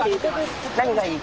何がいい？